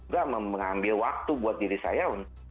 sudah mengambil waktu buat diri saya